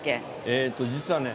えっと実はね。